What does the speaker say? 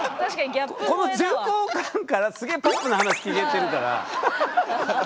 この重厚感からすげえポップな話聞けてるから。